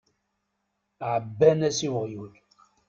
Ɛebban-as i weɣyul.